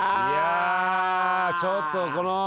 いやちょっとこの。